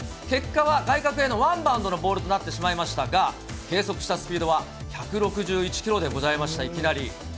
結果は外角へのワンバウンドのボールとなってしまいましたが、計測したスピードは１６１キロでございました、いきなり。